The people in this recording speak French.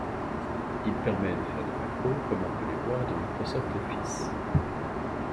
Il permet de faire des macros comme on peut les voir dans Microsoft Office.